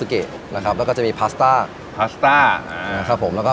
เดี๋ยวขออนุญาตหน่อยครับ